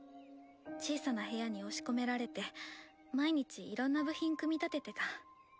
小さな部屋に押し込められて毎日いろんな部品組み立ててた。